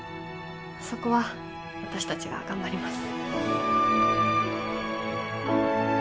そこは私達が頑張ります